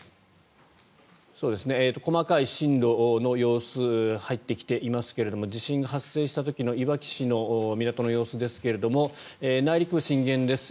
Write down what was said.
細かい震度の様子入ってきていますけれども地震発生した時のいわき市の港の様子ですが内陸部震源です。